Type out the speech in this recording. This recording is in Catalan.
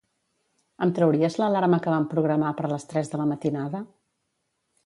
Em trauries l'alarma que vam programar per les tres de la matinada?